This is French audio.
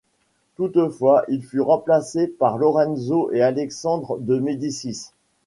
Toutefois, il fut remplacé par Lorenzo et Alexandre de Médicis.